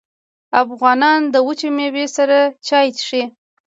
افغانان د وچې میوې سره چای څښي.